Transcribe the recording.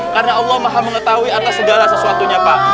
karena allah maha mengetahui atas segala sesuatunya pak